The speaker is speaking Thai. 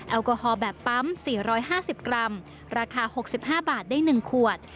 แอลกอฮอล์แบบปั๊ม๔๕๐กรัมราคา๖๕บาทได้๑ขวด